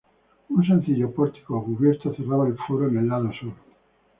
Un sencillo pórtico cubierto cerraba el foro en el lado sur.